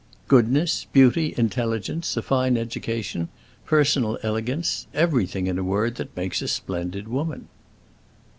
"Goodness, beauty, intelligence, a fine education, personal elegance—everything, in a word, that makes a splendid woman."